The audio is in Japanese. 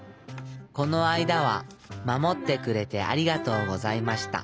このあいだはまもってくれてありがとうございました。